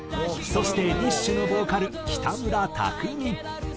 そしてＤＩＳＨ／／のボーカル北村匠海。